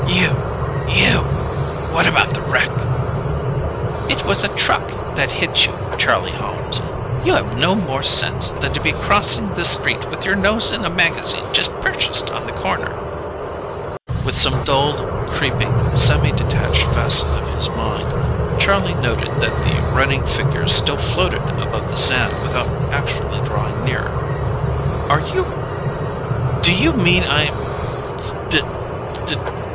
"You ... you ... what about the wreck?" "It was a truck that hit you, Charles Holmes. You have no more sense than to be crossing the street with your nose in a magazine just purchased on the corner." With some dulled, creeping, semi detached facet of his mind, Charlie noted that the running figures still floated above the sand without actually drawing near. "Are you Do you mean I'm ... d d d